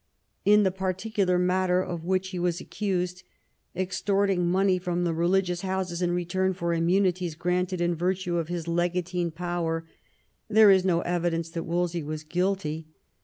In the particular matter of which he was accused — extorting money from the religious houses in return for immunities granted in virtue of his legatine power — there is no evidence that Wolsey was guilty.